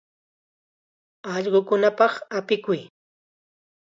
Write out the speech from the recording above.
Allqukunapaq apikuy.